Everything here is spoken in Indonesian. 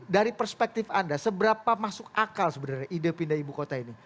dari perspektif anda seberapa masuk akal sebenarnya ide pindah ibu kota ini